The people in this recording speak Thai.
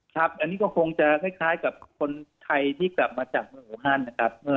ครับอันนี้ก็คงจะคล้ายกับคนไทยที่กลับมาจากเมืองอูฮันนะครับ